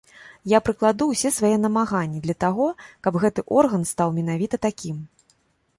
Я прыкладу ўсе свае намаганні для таго, каб гэты орган стаў менавіта такім.